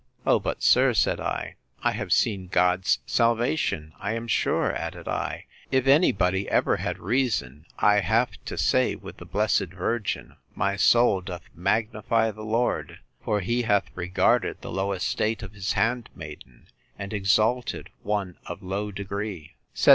O but, sir, said I, I have seen God's salvation!—I am sure, added I, if any body ever had reason, I have to say, with the blessed virgin, My soul doth magnify the Lord; for he hath regarded the low estate of his handmaiden—and exalted one of low degree.